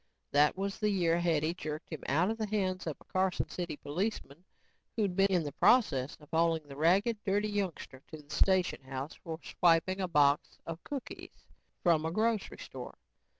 That was the year Hetty jerked him out of the hands of a Carson City policeman who had been in the process of hauling the ragged and dirty youngster to the station house for swiping a box of cookies from a grocery store.